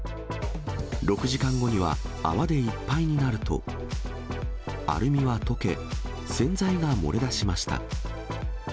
６時間後には泡でいっぱいになると、アルミは溶け、洗剤が漏れ出しました。